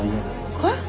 えっ？